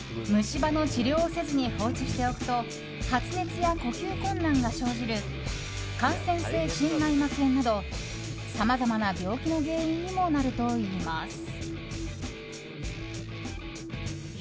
虫歯の治療をせずに放置しておくと発熱や呼吸困難が生じる感染性心内膜炎などさまざまな病気の原因にもなるといいます。